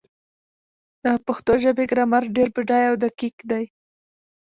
د پښتو ژبې ګرامر ډېر بډایه او دقیق دی.